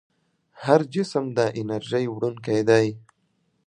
هر جسم د انرژۍ وړونکی دی.